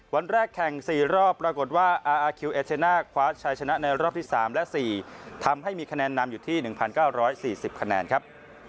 วันแรกแข่ง๔รอบปรากฏว่าอาอาคิวเอเชน่าคว้าชัยชนะในรอบที่๓และ๔ทำให้มีคะแนนนำอยู่ที่๑๙๔๐คะแนนครับ